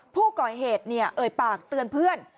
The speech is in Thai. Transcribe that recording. ผู้ก่อเหตุเอ่ยปากเตือนเพื่อน